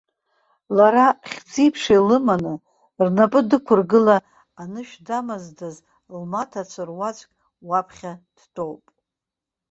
Лара хьӡи-ԥшеи лыманы, рнапы дықәыргыла анышә дамаздаз лмаҭацәа руаӡәк уаԥхьа дтәоуп.